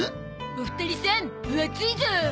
お二人さん分厚いゾ！